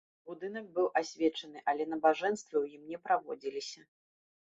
Будынак быў асвечаны, але набажэнствы ў ім не праводзіліся.